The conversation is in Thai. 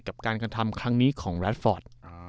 กับการกระทำครั้งนี้ของแรดฟอร์ต